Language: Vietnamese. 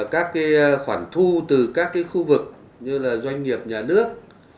các khoản thu từ các khu vực như doanh nghiệp nhà nước